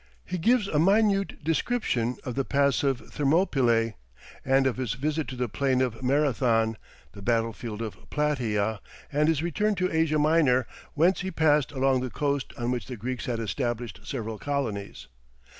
He gives a minute description of the Pass of Thermopylæ, and of his visit to the plain of Marathon, the battlefield of Platæa, and his return to Asia Minor, whence he passed along the coast on which the Greeks had established several colonies.